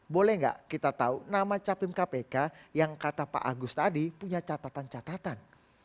boleh nggak kita tahu nama capim kpk yang kata pak agus tadi punya catatan catatan